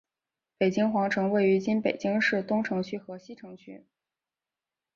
北京皇城位于今北京市东城区和西城区。